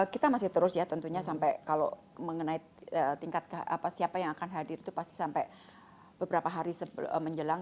kita masih terus ya tentunya sampai kalau mengenai tingkat siapa yang akan hadir itu pasti sampai beberapa hari menjelang